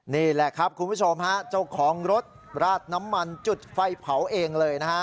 นี่แหละครับคุณผู้ชมฮะเจ้าของรถราดน้ำมันจุดไฟเผาเองเลยนะฮะ